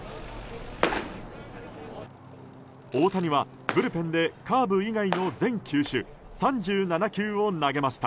大谷はブルペンでカーブ以外の全球種３７球を投げました。